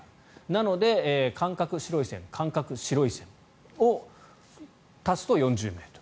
なので、間隔、白い線間隔、白い線を足すと４０ｍ。